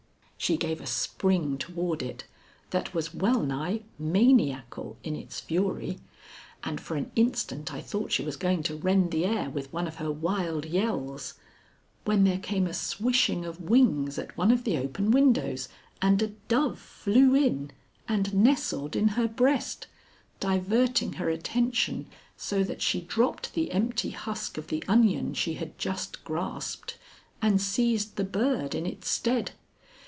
She gave a spring toward it that was well nigh maniacal in its fury, and for an instant I thought she was going to rend the air with one of her wild yells, when there came a swishing of wings at one of the open windows, and a dove flew in and nestled in her breast, diverting her attention so, that she dropped the empty husk of the onion she had just grasped and seized the bird in its stead.